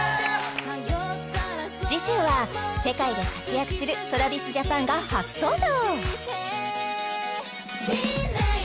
次週は世界で活躍するＴｒａｖｉｓＪａｐａｎが初登場